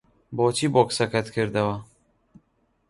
بۆچی بۆکسەکەت کردەوە؟